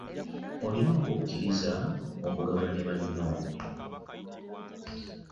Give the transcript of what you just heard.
Olina okukiriza okugabana ne banno.